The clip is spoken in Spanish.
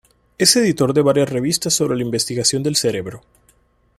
Es editor de varias revistas sobre la investigación del cerebro.